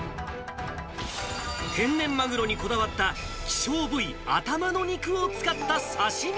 天然マグロにこだわった、希少部位、頭の肉を使った刺身